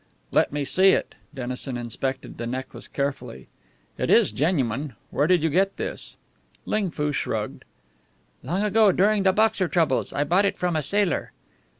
"Let me see it." Dennison inspected the necklace carefully. "It is genuine. Where did you get this?" Ling Foo shrugged. "Long ago, during the Boxer troubles, I bought it from a sailor."